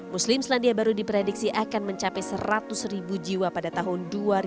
muslim selandia baru diprediksi akan mencapai seratus ribu jiwa pada tahun dua ribu dua puluh